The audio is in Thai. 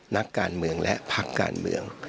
นักการเมืองและพักการเมือง